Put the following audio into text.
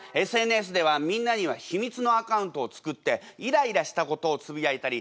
ＳＮＳではみんなにはひみつのアカウントを作ってイライラしたことをつぶやいたり